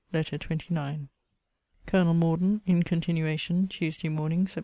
LETTER XXIX COLONEL MORDEN [IN CONTINUATION.] TUESDAY MORNING, SEPT.